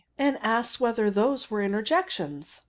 and asked whether those were inter jections.